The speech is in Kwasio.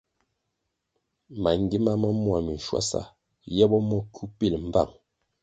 Mangima ma mua minschuasa ye bo mo kywu pil mbvang.